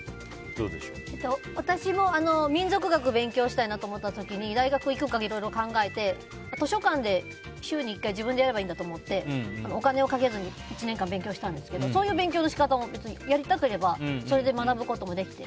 私も民俗学を勉強したいなと思った時に大学に行くかいろいろ考えて図書館で週に１回自分でやればいいんだと思ってお金をかけずに１年か年勉強したんですけどそういう勉強の仕方もやりたければそれで学ぶことができて。